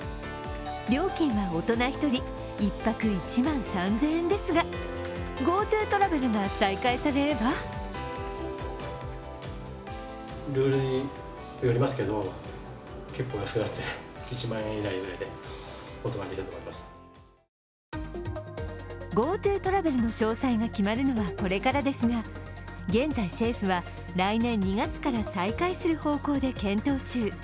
料金は大人１人１泊１万３０００円ですがＧｏＴｏトラベルが再開されればＧｏＴｏトラベルの詳細が決まるのはこれからですが、現在、政府は来年２月から再開する方向で検討中。